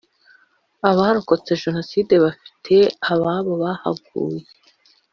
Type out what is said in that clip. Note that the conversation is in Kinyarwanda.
abarokotse Jenoside bafite ababo bahaguye